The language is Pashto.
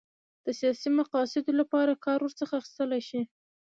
د سیاسي مقاصدو لپاره کار ورڅخه اخیستلای شي.